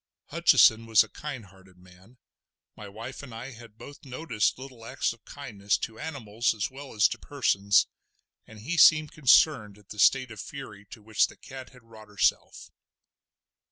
Hutcheson was a kind hearted man—my wife and I had both noticed little acts of kindness to animals as well as to persons—and he seemed concerned at the state of fury to which the cat had wrought herself.